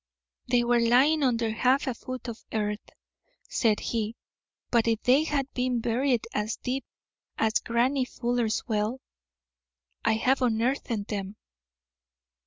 "They were lying under half a foot of earth," said he, "but if they had been buried as deep as Grannie Fuller's well, I'd have unearthed them."